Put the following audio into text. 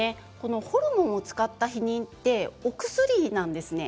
ホルモンを使った避妊ってお薬なんですね。